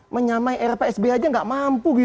menyamai rpsb saja tidak mampu